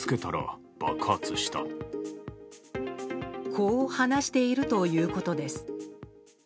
こう話しているということです。